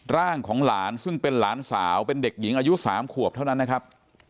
ร่างของหลานซึ่งเป็นหลานสาวเป็นเด็กหญิงอายุ๓ขวบเท่านั้นนะครับ